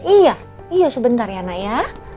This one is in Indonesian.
iya iya sebentar ya nak ya